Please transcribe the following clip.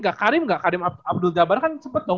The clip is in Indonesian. gak karim gak abdul gabar kan sempet dong